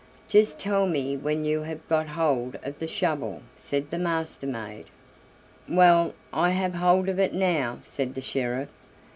"Just tell me when you have got hold of the shovel," said the Master maid. "Well, I have hold of it now," said the sheriff.